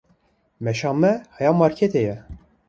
Meşa me heya marketê ye.